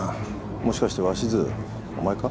もしかして鷲津お前か？